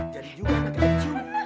jadi juga anak kita dicium